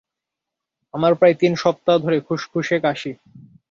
আমার প্রায় তিন সপ্তাহ ধরে খুশখুশে কাশি।